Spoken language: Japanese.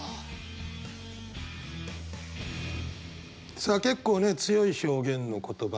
さあ結構ね強い表現の言葉。